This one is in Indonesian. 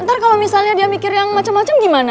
ntar kalau misalnya dia mikir yang macem macem gimana